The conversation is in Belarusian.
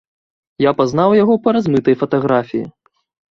Я пазнаў яго па размытай фатаграфіі.